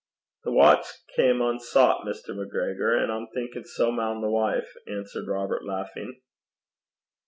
'The watch cam unsoucht, Mr. MacGregor, an' I'm thinkin' sae maun the wife,' answered Robert, laughing.